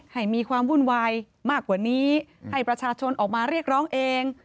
ให้มีความวุ่นวายมากกว่านี้ให้ประชาชนออกมาเรียกร้องเอง